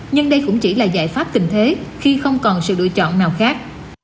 nhưng đây cũng chỉ là giải pháp tình thế khi không còn sự lựa chọn nào khác